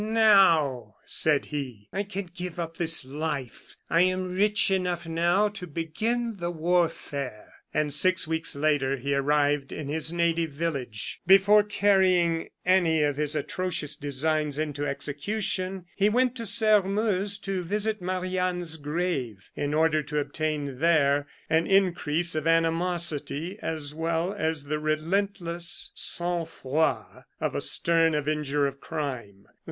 "Now," said he, "I can give up this life. I am rich enough, now, to begin the warfare." And six weeks later he arrived in his native village. Before carrying any of his atrocious designs into execution, he went to Sairmeuse to visit Marie Anne's grave, in order to obtain there an increase of animosity, as well as the relentless sang froid of a stern avenger of crime.